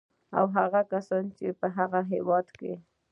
او هغه کسان چې په هغه هېواد کې